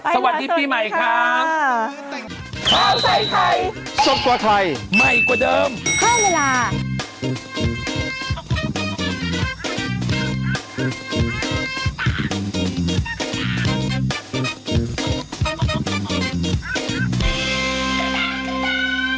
สวัสดีครับสวัสดีปีใหม่ค่ะ